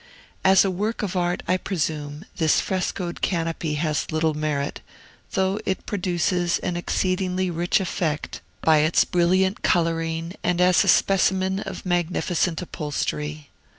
As a work of art, I presume, this frescoed canopy has little merit, though it produces an exceedingly rich effect by its brilliant coloring and as a specimen of magnificent upholstery.